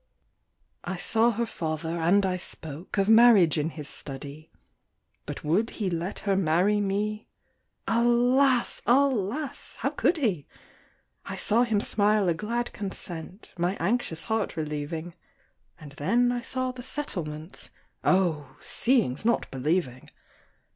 I saw her father, and I spoke Of marriage in his study; But would he let her marry me Alas! alas! how could he? I saw him smile a glad consent, My anxious heart relieving, And then I saw the settlements Oh! seeing's not believing!